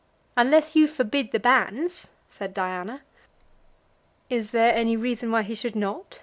"Unless you forbid the banns," said Diana. "Is there any reason why he should not?"